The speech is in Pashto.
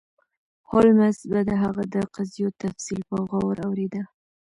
هولمز به د هغه د قضیو تفصیل په غور اوریده.